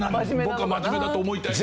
僕は真面目だと思いたい。